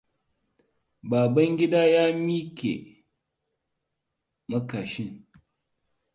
Babangida ya make makashin.